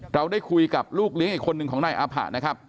เราได้คุยกับลูกเลี้ยงอีกคนหนึ่งของนายอาผะนะครับ